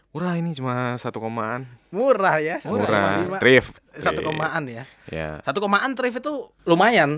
murah ini cuma satu koma an murah ya murah riff satu koma an ya ya satu koma an trik itu lumayan